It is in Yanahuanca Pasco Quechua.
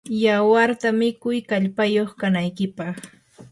yawarta mikuy kallpayuq kanaykipaq.